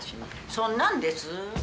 そんなんです。